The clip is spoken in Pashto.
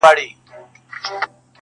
دا د قسمت په حوادثو کي پېیلی وطن-